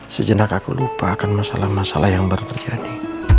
sejenak aku lupakan masalah masalah yang baru terjadi